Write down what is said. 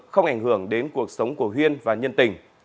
không ảnh hưởng đến cuộc sống của huyên và nhân tình